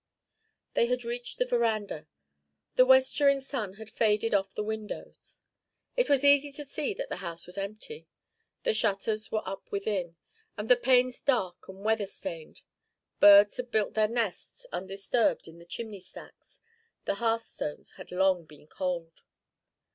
They had reached the veranda. The westering sun had faded off the windows. It was easy to see that the house was empty. The shutters were up within, and the panes dark and weather stained. Birds had built their nests undisturbed about the chimney stacks. The hearthstones had long been cold.